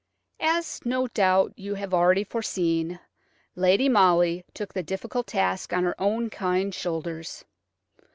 As, no doubt, you have already foreseen, Lady Molly took the difficult task on her own kind shoulders.